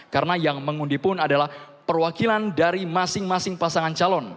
karena yang mengundi pun adalah perwakilan dari masing masing pasangan calon